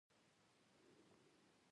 چې هېڅوک ورته ټینګ نشي درېدلای.